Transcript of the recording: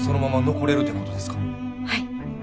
はい。